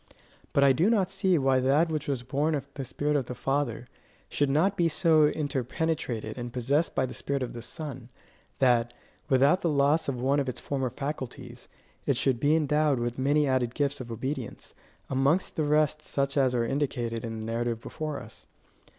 But I do not see why that which was born of the spirit of the Father, should not be so inter penetrated and possessed by the spirit of the Son, that, without the loss of one of its former faculties, it should be endowed with many added gifts of obedience; amongst the rest such as are indicated in the narrative before us.